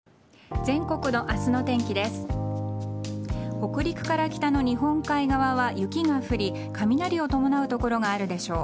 北陸から北の日本海側は雪が降り雷を伴う所があるでしょう。